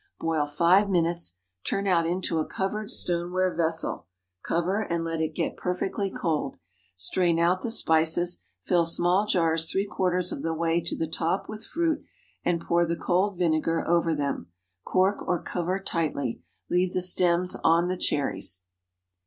Boil five minutes; turn out into a covered stoneware vessel, cover, and let it get perfectly cold. Strain out the spices, fill small jars three quarters of the way to the top with fruit, and pour the cold vinegar over them. Cork or cover tightly. Leave the stems on the cherries.